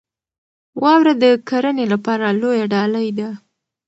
واوره د کرنې لپاره لویه ډالۍ ده.